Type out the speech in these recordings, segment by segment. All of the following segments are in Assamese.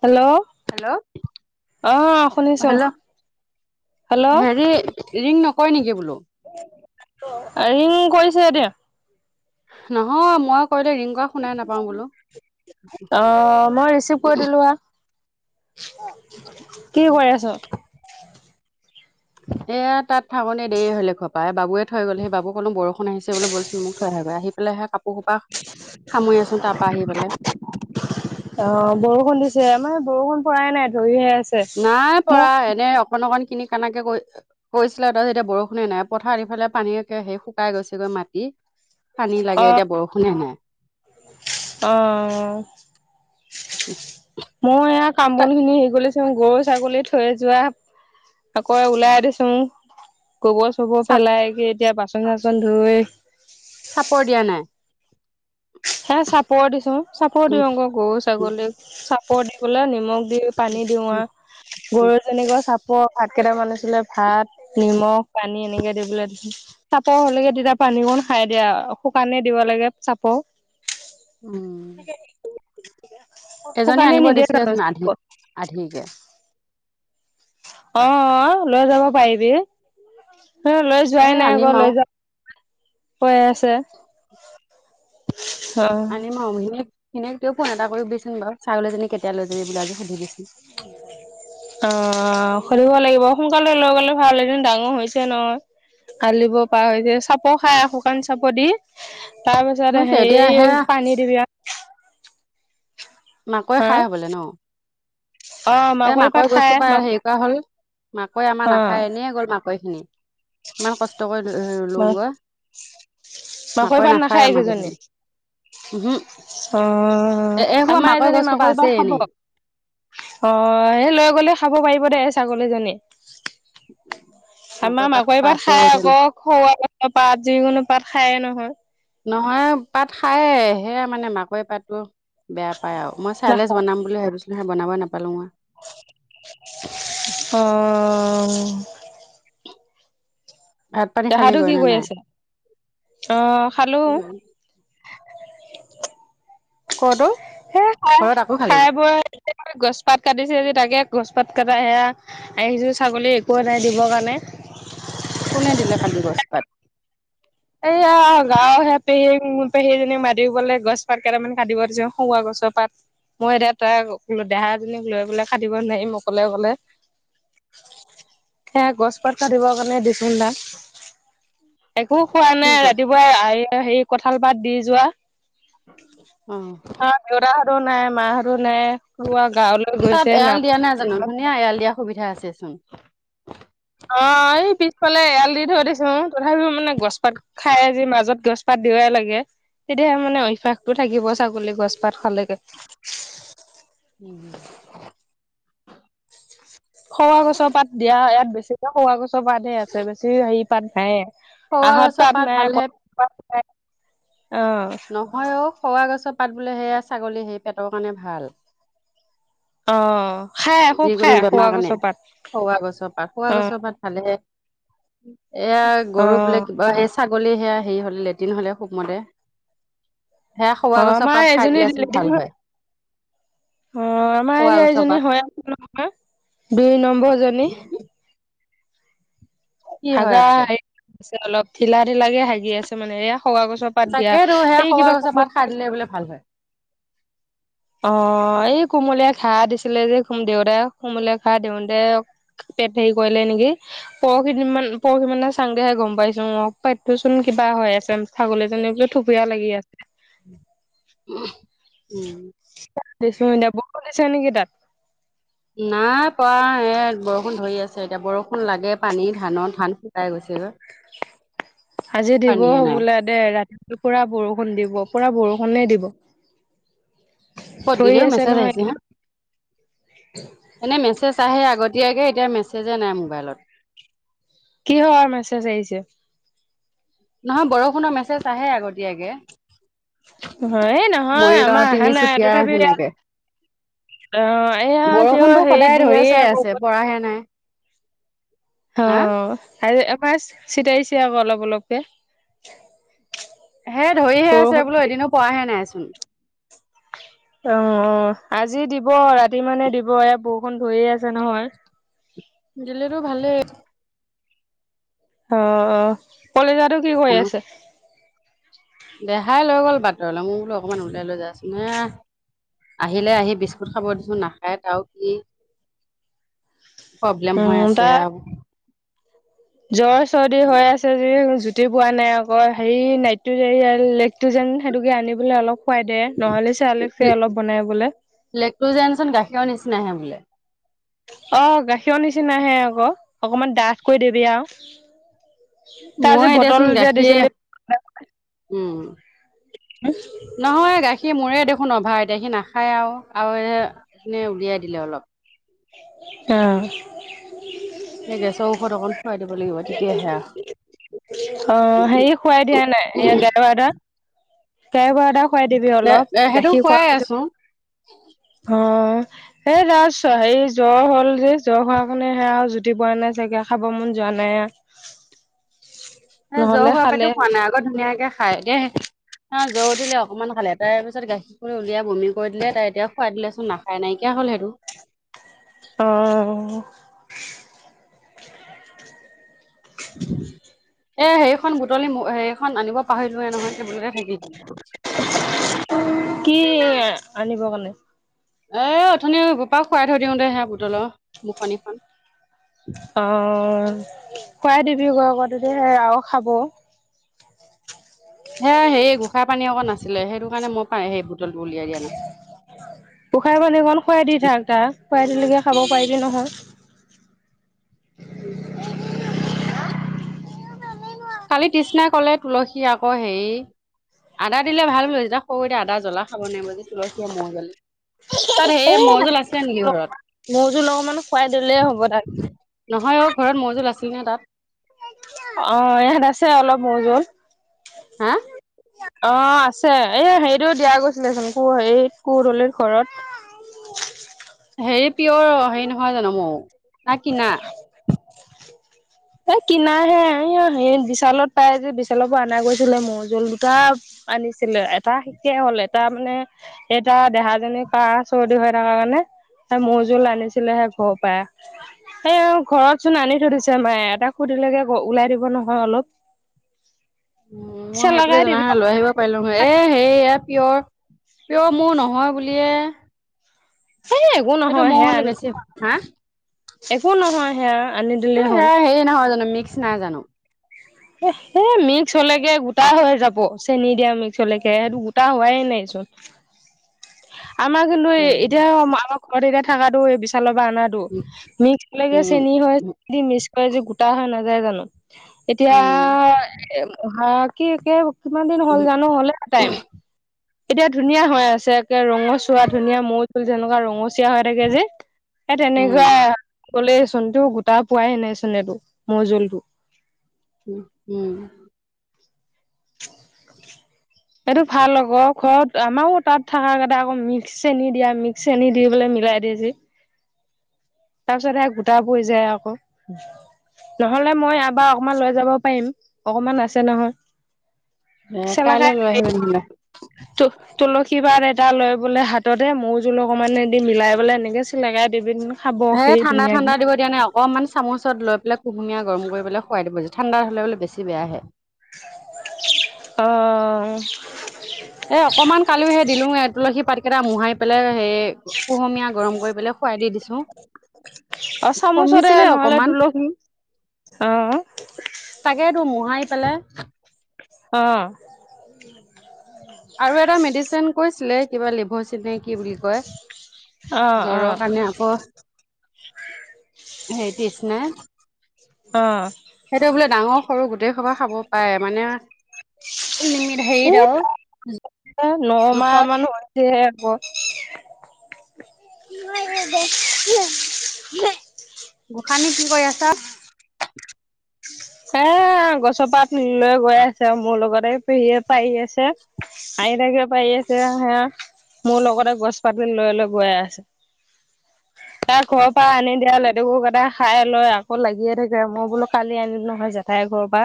হেল্লৌ' হেল্ল' অঁ শুনিছোং। হেল্ল' হেৰি ৰিং নকৰে নেকি বোলো? ৰিং কৰিছে এতিয়া। নহয় মই কৰিলে ৰিং কৰা- শুনাই নাপাওঁ বোলো অঁ' মই ৰিচিভ কৰি দিলো আ। কি কৰি আছ? এ তাত থাকোনতে দেৰি হলে ঘৰপা এ বাবুয়ে থৈ গ'লহি। সেই বাবু কলো বৰষ- ষুণ আহিছে বোলো ব'লচোন মোক থৈ আহেগৈ। আহি পেলাইহে কাপোৰ সোপা সামৰি আছোং তাপা আহি পেলাই। অঁ' বৰষুণ দিছে মানে বৰষুণ পৰাই নাই ধহিয়াই আছে। নাই পৰা মোক এনেই অকন অকন কিনিক কানাকে কৈ- পৰিছিলে তাছত এতিয়া বৰষুণে নাই। পথাত ইফালে পানী একে সে শুকাই গৈছেগৈ মাটি। পানী লাগে এতিয়া বৰষুণে নাই। অঁ' মই এয়া কাম তাত বন খিনি হেৰি কৰি লৈছোং গৰু ছাগলী থৈ যোৱা। আকৌ এ ওলাই দিচুং গোবৰ চোবৰ চাপ পেলাই কি এতিয়া বাচন চাচন ধুই। চাপৰ দিয়া নাই। হে চাপৰ দিছোং চাপৰ উম দিওঁগৈ গৰু ছাগলীক। চাপৰ দিবলে নিমখ- দি পানী দিওঁ আ। গৰু জনীকো চাপৰ ভাত কেইটামান আছিলে ভাত- নিমখ পানী এনেকে দি পেলাই দিছোং। চাপৰ হলেগে তেতিয়া পানীকণ খাই দিয়া শুকানে দিব লাগে চাপৰ। উম' এজনী শুকানে আনিব নিদিয়ে জানো দিছিলেচোন আধি চাপৰ? আধিকে। অঁঅ' লৈ যাব পাৰিবি। তই লৈ এ যোৱাই নাই আনিম আক' আৰু লৈ যা- কৈ আছে। অ আনিম আৰু বুলি এনেই তই ফোন এটা কৰিবিচোন বাৰু ছাগলীজনী কেতিয়া লৈ যাবি বুলি আজি সুধিবিচোন। উম। অ সুধিব লাগিব সোনকালে লৈ গলে ভাল এইজনী ডাঙৰ হৈছেই নহয়। কালিব পাৰা হৈ যে চাপৰ খাই শুকান চাপৰ দি। তাৰ পিছত হৈছে এতিয়া হেৰি সেয়া পানী দিবি আ মাকৈ হা খাই হে পেলাই ন? অ এ পাত মাকৈ খাই গছজোপাই হেৰি কৰা হ'ল, মাকৈ আমাৰ নাখায় এনেই গ'ল মাকৈ খিনি। ইমান কষ্ট কৰি অ ৰুলোঁ গৈ। মাকৈ পাত নাখায় আমাৰ এইকেজনী। কেইজনী উহো অহ এ এসোপা আমাৰ মাকৈ এজনী গছজোপা মাকৈৰ আছে পাত খাব। এনেই অ হেই লৈ গলে খাব পাৰিব দে ছাগলীজনী। আমাৰ মাকৈ পাতসোপা পাত আছে খাই তেনে আকৌ খৰুৱা গছৰ পাত যিকোনো পাত খায়ে নহয়। নহয় পাত খায়ে সেয়া মানে মাকৈ পাতটো- বেয়া পাই আৰু মই চাইলেজ নাখায় বনাম বুলি ভাবিছিলোহে বনাবই নাপালো আৰু। অহ। ভাত পানী পেহাটো খালিগৈ কি নে কৰি নাই আছে? অ খালো। কত অ? সেই খাই খাই বৈ গছ পাত কাটিছে তাকে গছপাত কটা সেয়া- আহিছোঁ ছাগলী একোৱেই নাই দিবৰ কাৰণে। কোনে দিলে কাটি গছ পাত? এইয়া গাঁৱৰ সেয়া পেহী পেহীজনী মাতি পেলাই গছ পাত কেইটামান কাটিব দিছো সৰুৱা গছৰ পাত। মই এতিয়া তাইক দেহা জনীক লৈ পেলাই কাটিব নোৱাৰিম অকলে অকলে। সেয়া গছ পাত কাটিবৰ কাৰণে দিচোন তাক। একো খোৱা কি নাই গছ? ৰাতিপুৱাই এ হেৰি কঁঠাল পাত দি যোৱা। অহ। ঘৰত দেউতাহতো নাই মাহতো নাই হোৱা গাঁৱলৈ- গৈছে তাত নাম এৰাল দিয়া নাই জানো ধুনীয়া এৰাল দিয়া সুবিধা আছে চোন। অ এই পিছফালে এৰাল দি থৈ দিছো তথাপিওঁ মানে গছ পাত- খাই যি মাজত গছ পাত দিবাই লাগে। তেতিয়াহে মানে অভ্যাসটো থাকিব ছাগলী গছপাত খালেগে। উম। সৰুৱা গছৰ পাত দিয়া ইয়াত বেছিকে সৰুৱা গছৰ পাতহে আছে বেছি হেৰি পাত নাই। সৰুৱা আহত গছৰ পাত নাই ভালহে কঠাল পাত নাই, অ। নহয় অ সৰুৱা গছৰ পাত বোলে হেয়া ছাগলী হেই পেটৰ কাৰণে ভাল। অ খাই খুব যিকোনো খাই বেমাৰ সৰুৱা কাৰণে গছৰ পাত, সৰুৱা গছৰ পাত সৰুৱা গছৰ অঁহ। পাত ভালেহে, এয়া গৰু বোলে অ', কিবা হেই- ছাগলী হেয়া হেৰি হ'লে লেট্ৰিন হ'লে সুবমতে। সেয়া সৰুৱা অ', গছৰ আমাৰ পাত খাই এজনী দিলেচোন লেট্ৰিন ভাল হৈ হয়। অ আমাৰ সৰুৱা এতিয়া গছৰ এইজনী পাত হয় আছে নহয়, দুই নম্বৰ জনী। কি হৈ হাগা আছে? সেইটো হৈছে অলপ ঢিলা ঢিলাকে হা হাগি আছে মানে এয়া সৰুৱা গছৰ পাত দিয়া এই কিবা ক সেই বোলে ভাল হয়। অ এই কোমলীয়া ঘাঁহ দিছিলে যে দেউতাই কুমলীয়া ঘাঁহ দিওতে- পেট হেৰি কৰিলে নেকি। পৰহি পৰহি মানে চাং তেহে গম পাইছো মই পঠোচোন কিবা হৈ আছে। ছাগলীজনী বোলে থুপীয়া লাগি আছে উম, [unintelligible] বৰষুণ দিছে নেকি তাত? নাই পোৱা এ বৰষুণ ধৰি আছে এতিয়া বৰষুণ লাগে পানী ধানৰ ধান শুকাই গৈছেগৈ। [inaudible] আজি দিব পানীয়ে নাই বোলে দেই ৰাতিটো পুৰা বৰষুণ দিব পুৰা বৰষুণে দিব। ক'ত থৰি দিলেও আছে মেছেজ নহয় আহিছে [unintelligible] এনেই মেছেজ আহে আগতীয়াকে এতিয়া মেছেজে নাই মোবাইলত। কিহৰ মেছেজ আহিছে? নহয় বৰষুণৰ মেছেজ আহে আগতীয়াকে। হয় এই নহয় মৰিগাঁও, আমাৰ অহা নাই তিনিচুকীয়া তথাপি হেনেকে। অ এয়া তেওঁ বৰষুণটো হেৰি সদায় দি ধৰিয়ে আকৌ আছে ওপৰত পৰাহে নাই। হা অ', আৰু এবাৰ চিটাইছে আকৌ অলপ অলপকে। হে ধৰিহে আছে বৰষুণ বোলো এদিনো পৰাহে নাইচোন। অ', অ', আজি দিব ৰাতি মানে দিব এয়া বৰষুণ ধৰিয়ে আছে নহয়। দিলেতো ভালেই অ', অ', কলিজাটো কি কৰি আছে? দেহাই লৈ গ'ল বাটলৈ মোৰ বোলো অকমান উলিয়াই লৈ যাচোন সেয়া আহিলে আহি বিস্কুট খাব দিছোঁ নাখায় [unintelligible] কি প্ৰব্লেম হৈ উম আছে তাৰ আৰু। জ্বৰ চৰ্দি হৈ আছে যি জু [unintelligible] পোৱা নাই আকৌ হেৰি নাইটটো যে [unintelligible] লেকটোযেন সেইটোকে আনিবলৈ অলপ খুৱাই দে, নহ'লে চেৰেলেকছে অলপ বনাই বোলে। লেক্ট জনচোন গাখীৰৰ নিচিনাহে বোলে। অ', গাখীৰৰ নিচিনাহে আকৌ অকনমান ডাঠ কৰি দিবি আৰু। তাৰ যে ময়ে বটল দেচোন যে গাখীৰ দিছিলি উম, নহয় গাখীৰ মোৰে দেখোন অভাৰ এতিয়া সি নাখায় আৰু আৰু এ এনেই উলিয়াই দিলে অলপ। অ', নে গেছৰ ঔষধ অকণ খোৱাই দিব লাগিব তেতিয়াহে অ', হেৰি খোৱাই দিয়া নাই এ [unintelligible] খুৱাই দিবি এ অলপ এ সেইটো গাখীৰ খুৱাই খোৱাৰ পিছত। আছো। অ', সেই ৰাচ হেৰি জ্বৰ হ'ল যে, জ্বৰ হোৱাৰ কাৰণে সেয়া আৰু জুতি বোৱা নাই চাগে খাব মন যোৱা নাই। হে জ্বৰ নহ'লে হোৱাৰ খালে পৰাইটো খোৱা নাই আগত ধুনীয়াকে খাই দেই। হাঁ, জ্বৰ উঠিলে অকমান খালে, তাৰ পিছত গাখীৰটো উলিয়াই বমি কৰি দিলে তাই এতিয়া খুৱাই দিলে চোন না অ', নাইকিয় হ'ল সেইটো। অ', এ সেইখন বুটলি সেৰিখন আনিব পাহৰিলোয়ে নহয় টেবুলতে থাকি গল। কি আনিব কাৰণে? এ উথনি ৰোপা খুৱাই থৈ দিওঁতে হে বুটলা মুখনিখন। অ', খুৱাই দিবি গৈ আকৌ তেতিয়া সে আৰু খাব। সেয়া সেই গোঁসাই পানী আকৌ নাছিলে, সেইটো কাৰণে মই পাই সেই বুটলটো উলিয়াই দিয়া নাছিলোঁ। গোঁসাই পাণী অকণ খুৱাই দি থাক তাক খুৱাই দিলেকে খাব পাৰিবি নহয় কালি তৃষ্ণাই কলে তুলসী আকৌ হেৰি আদা দিলে ভাল বোলো এতিয়া সৰু এতিয়া আদা জ্বলা খাব নোৱাৰিব যে তুলসীয়ে মৌ জ্বল তাত সেয়ে [unintelligible] আছিলা নেকি ঘৰত? মৌজোল অকণমানো খুৱাই দিলে হ'ব তাক। নহয় অ', ঘৰত মৌ-জুল আছিল নে তাত। অ', ইয়াত আছে অলপ মৌ-জুল। হা? অ', আছে এই হেৰিটো দিয়া গৈছিলেচোন কোৰ হেৰিত কু দলিত ঘৰত। হেৰি পিয়ৰ হেৰি নহয় জানো মৌ, নে কিনা? এ কিনাহে [unintelligible] বিশালত পাই যে বিশালৰ পৰা অনা গৈছিলে মৌ জুল দুটা। আনিছিলে, এটা শেষেই হ'ল এটা মানে এতিয়া দেহাজনী কাঁহ চৰ্দি হৈ থকা কাৰণে [unintelligible] মৌ জুল আনিছিলে হে ঘৰৰ পৰা। এ ঘৰত চোন আনি থৈ দিছে মায়ে, এটা সুধিলেকে ওলাই দিব নহয় অলপ। উ ল, মই পিছে সেই বুলি লগাই জনা দিবি হলে লৈ আহিব পাৰিলো হয়, এ হেইয়া পিয়ৰ পিয়ৰ মৌ নহয় বুলিয়ে এ একো সেইটো নহয় মই সেয়া হলে আনি বেছি হা একো নহয় হে হেৰি নহয় জানো, মিক্স নাই জানো। এ সেই মিক্স হলেকে গোটা হৈ যাব, চেনী দিয়া মিক্স হলেকে, সেইটো গোটা হোৱাই নাইচোন। [inaudible] আমাৰ কিন্তু এই উম, এতিয়া আমাৰ ঘৰত এতিয়া থাকাটো বিশালৰ পা অনা উম, [unintelligible] মিক্স [unintelligible] উম, চেনি হয়, মিক্স কৰে যে গোটা হৈ নাযায় জানো। এতিয়া উম, [unintelligible] কিমান দিন হ'ল উম। জানো, হলে টাইম। এতিয়া ধুনীয়া হৈ আছে একে ৰঙচুৱা ধুনীয়া মৌ তুল যেনেকুৱা ৰঙ [unintelligible] হৈ থাকে যে, এ উম, তেনেকুৱা কলে চোনটো তাৰ পোৱাই এ নাইচোন এইবোৰ মৌ জুলটো। উম, উম। [inaudible] এইটো ভাল আকৌ ঘৰত আমাৰো তাত থাকাকেইটা আকৌ মিক্স চেনি দিয়া, মিক্স চেনি দি পেলাই মিলাই দিয়ে যে। তাৰ পিছত সেই গোটা পৰি যায় আকৌ। নহলে মই ইয়াপা অকমান লৈ যাব পাৰিম, অকমান আছে নহয়। এ কাইলৈ লৈ আহিবি নহ'লে। [unintelligible] তুলসী পাত এটা লৈ বোলে হাততে মৌ জুল অকমানে দি মিলাই পেলাই এনেকে চেলকাই দিবিচোন। এ ঠাণ্ডা ঠাণ্ডা দিব তেতিয়ানে অকণমান চামুচত লৈ পেলাই কুহুমীয়া গৰম কৰি পেলাই খুৱাই দিব য, ঠাণ্ডা হলে বোলে বেছি বেয়াহে। অ'। এ অকনমান কালি হেই দিলো, এ তুলসী পাত কেইটা মোহাই পেলাই সে কুহুমীয়া গৰম কৰি পেলাই খোৱাই দি দিছো। অ', চামুচৰে কমিছিলে নহলে অকমান তুলসী, অ'। তাকেতো মোহাৰি পেলাই। অ'। আৰু এটা মেডিচিন কৈছিলে, কিবা লিভসিভ নে কি বুলি কয়। অ জ্বৰৰ অ কাৰণে আকৌ, [unintelligible] অ'। সেইটো বোলে ডাঙৰ সৰু গোটেই সবা খাব পাৰে মানে লিমিট হেৰিত আৰু [unintelligible] এ নমাহ জোখত মান হয়। দে ক'। গোঁখানী, কি কৰি আছা? [inaudible] এ গছৰপাত লৈ গৈ আছে আৰ মোৰ লগতে পেহীয়ে পাৰি আছে। আইতাকেও পাৰি আছে আউ সেয়া, মোৰ লগতে গছ-পাত লৈ লৈ গৈ আছে। তাৰ ঘৰৰ পৰা আনি দিয়া লেতেকুকেইটা খাই লৈ আকৌ লাগিয়ে থাকে, মই বোলো কালি আনিম নহয় জেঠ ঠাই ঘৰৰ পা।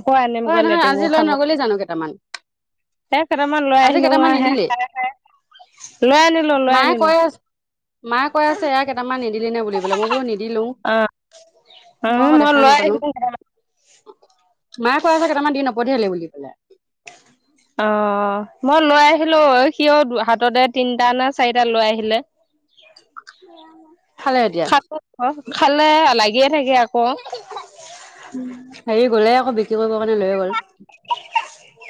আকৌ ঐ আনিম গৈ নহয় আজি লেটকুু লৈ খাব। নগলি জানো কেইটামান সে কেটামান লৈ আজি আহিলোং কেইটামান আহে। নিনিলি [unintelligible] লৈ আনিলো, লৈ মায়ে আনিলো। কৈ আছে মায়ে কৈ আছে ইয়াক কেটামান নিদ দিলি নে বুলি পেলে। মই বোলো নিদিলোঁ, অ অ মই আকৌ দেখাএ লৈ নাপালোঁ। আহিলো মায়ে কয় আছে কেটামান দি নপঠিয়ালি বুলি পেলাই। [inaudible] অ', মই লৈ আহিলোঁ, সিয় হাততে তিনটা নে চাৰিটা লৈ আহিলে। [inaudible] খালে এতিয়া [unintelligible] খালে লাগিয়ে থাকে আকৌ। হেৰি গ'লে আকৌ বিকি কৰিব কাৰণে লৈয়ে গ'ল।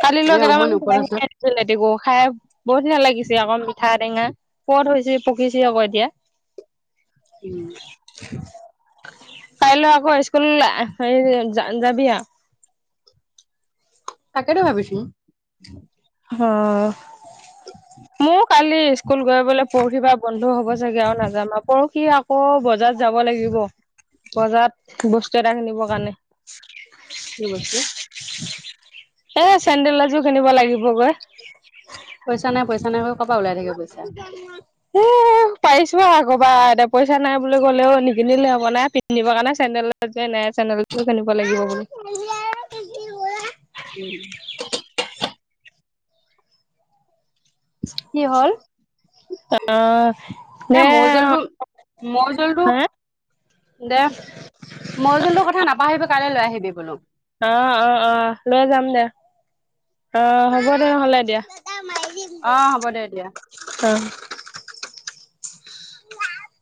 কালি লোৱা এই অকমান গেদামান ওপৰত আছে [unintelligible] নেতেকো, খাই বৰ ধুনীয়া লাগিছে আকৌ মিঠা টেঙা। পদ হৈছি, পকিছি আকো এতিয়া। উ। কাইলৈ আকৌ ইস্কুল হেৰি যাবি আ। তাকেটো ভাবিচুং। হ। [inaudible] মোৰ কালি ইস্কুল গৈ পেলেই পৰহিৰ পা বন্ধু হ'ব চাগে আৰু নাজানোঁ আউ। পৰখি আক অ', বজাৰত যাব লাগিব। বজাৰত বস্তু এটা কিনিব কাৰণে। কি কৈছে? সে চেণ্ডেল এযোৰ কিনিব লাগিবগৈ। [inaudible] পইচা নাই, পইচা নাইক' এ, পাৰিছো আক'বা এটা পইচা নাই বুলি ক'লেও নি কিনিলে হ'ব নাই, পিন্ধিব কাৰণে চেণ্ডেল নে চেণ্ডেল এযোৰ কিনিব লাগিব বুলি। [unintelligible] কি হ'ল? অ', এ দে মৌ অ', জোলবো মই জোলতো। হা দে। মৌ জোলটোৰ কথা নাপাহবি, কাইলৈ লৈ আহিবি বোলো। অ' অ' অ', লৈ যাম দে। অ' হ'ব দে নহ'লে এতিয়া। অ', হ'ব দে এতিয়া। অ। [unintelligible]